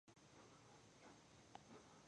هلته باید د حج لپاره احرام وتړل شي.